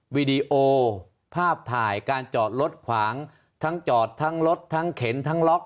วีดีโอภาพถ่ายการจอดรถขวางทั้งจอดทั้งรถทั้งเข็นทั้งล็อก